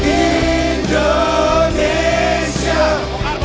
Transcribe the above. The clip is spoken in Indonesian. indonesia nada laguku